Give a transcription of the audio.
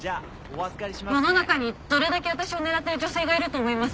世の中にどれだけ私を狙っている女性がいると思います？